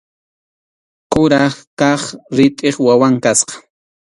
Kuraq kaq ritʼip wawan kasqa.